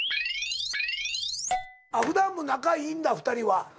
普段も仲いいんだ２人は？